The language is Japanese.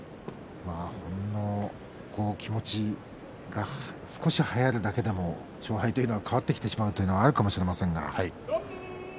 気持ちが少しはやるだけでも勝敗が変わってきてしまうということもあるかもしれません。